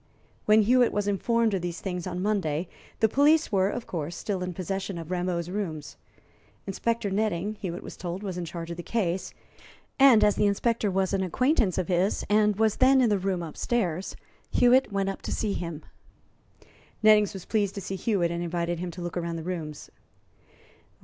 When Hewitt was informed of these things on Monday, the police were, of course, still in possession of Rameau's rooms. Inspector Nettings, Hewitt was told, was in charge of the case, and as the inspector was an acquaintance of his, and was then in the rooms upstairs, Hewitt went up to see him. Nettings was pleased to see Hewitt, and invited him to look around the rooms.